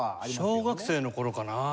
小学生の頃かなあ。